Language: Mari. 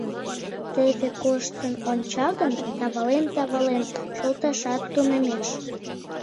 Теве коштын онча гын, тавален-тавален шолташат тунемеш!